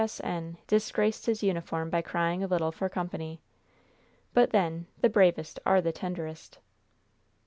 S. N., disgraced his uniform by crying a little for company. But then, "the bravest are the tenderest."